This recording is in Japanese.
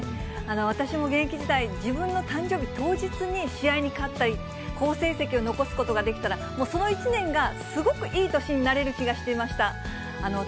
私も現役時代、自分の誕生日当日に試合に勝ったり、好成績を残すことができたら、もうその一年がすごくいい年になれるような気がしていました。